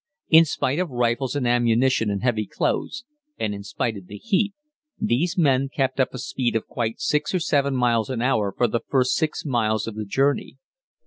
In spite of rifles and ammunition and heavy clothes, and in spite of the heat, these men kept up a speed of quite six or seven miles an hour for the first six miles of the journey.